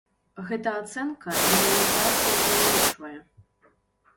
Гэта ацэнка, яна міграцыі не ўлічвае.